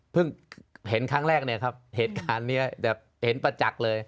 เห็นครั้งแรกเนี่ยครับเหตุการณ์นี้แบบเห็นประจักษ์เลย